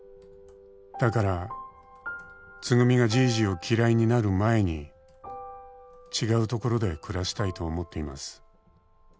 「だからつぐみがじいじを嫌いになる前に違う所で暮らしたいと思っています」